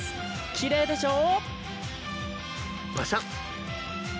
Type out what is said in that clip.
きれいでしょう？